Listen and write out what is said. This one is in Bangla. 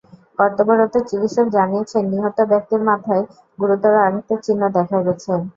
কর্তব্যরত চিকিৎসক জানিয়েছেন, নিহত ব্যক্তির মাথায় গুরুতর আঘাতের চিহ্ন দেখা গেছে।